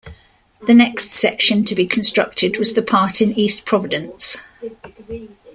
The next section to be constructed was the part in East Providence.